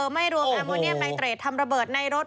ไม่รวมแอร์โมเนียมไนเตรดทำระเบิดในรถ